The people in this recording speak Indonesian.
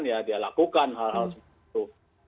ya dia lakukan hal hal seperti itu